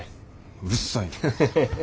うるさいな。